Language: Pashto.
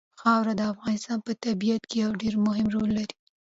خاوره د افغانستان په طبیعت کې یو ډېر مهم رول لري.